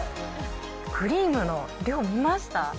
クリームの量、見ました？